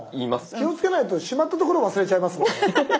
気をつけないとしまった所を忘れちゃいますもんね。